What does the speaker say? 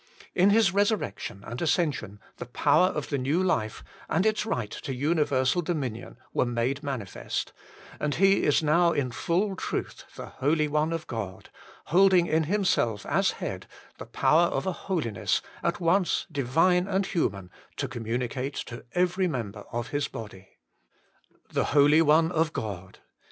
In His Eesurrection and Ascension the power of the New Life, and its right to universal dominion, were made manifest, and He is now in full truth the Holy One of God, holding in Himself as Head the power of a Holiness, at once Divine and human, to communicate to every member of His body. THE HOLY ONE OF GOD